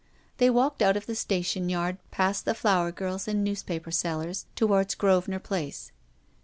They walked out of the station yard, past the flower girls and newspaper sellers towards Gros venor Place.